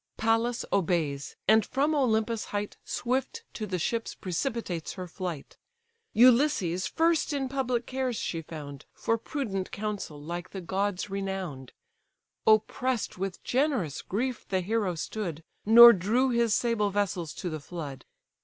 Pallas obeys, and from Olympus' height Swift to the ships precipitates her flight. Ulysses, first in public cares, she found, For prudent counsel like the gods renown'd: Oppress'd with generous grief the hero stood, Nor drew his sable vessels to the flood.